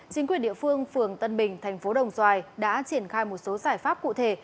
chính quyền địa phương phường tân bình thành phố đồng xoài đã triển khai một số giải pháp cụ thể